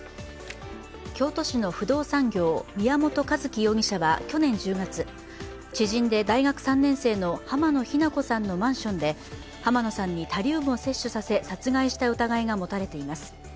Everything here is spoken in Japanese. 京都市の不動産業、宮本一希容疑者は去年１０月、知人で大学３年生の濱野日菜子さんのマンションで濱野さんにタリウムを摂取させ、殺害した疑いが持たれています。